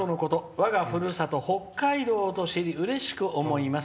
我がふるさと、北海道と知りうれしく思います。